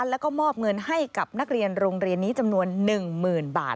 แล้วก็มอบเงินให้กับนักเรียนโรงเรียนนี้จำนวน๑๐๐๐บาท